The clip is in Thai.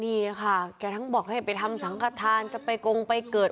นี่ค่ะแกทั้งบอกให้ไปทำสังขทานจะไปกงไปเกิด